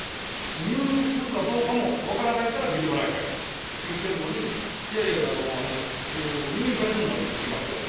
入院するかどうかも分からないから診てもらいたいと言ってるのに、いやいやいや、入院されるのなら受け付けますよと。